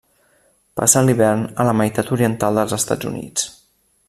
Passa l'hivern a la meitat oriental dels Estats Units.